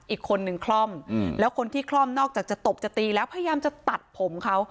อีกคนนึงคล่อมแล้วคนที่คล่อมนอกจากจะตบจะตีแล้วพยายามจะตัดผมเขา